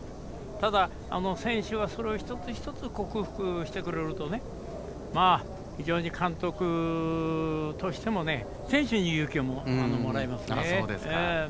ただ選手は、それを一つ一つ克服してくれると監督としても選手に勇気をもらえますね。